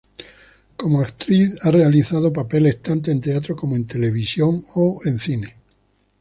Como actriz, ha realizado papeles tanto en teatro como en televisión o en cine.